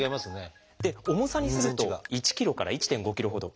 重さにすると１ｋｇから１．５ｋｇほど。